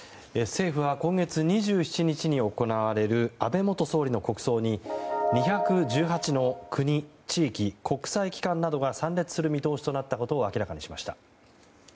政府は今月２７日に行われる安倍元総理の国葬に２１８の国、地域国際機関などが参列する見通しとなったことを明らかにしました。